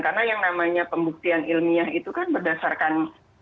karena yang namanya pembuktian ilmiah itu kan berdasarkan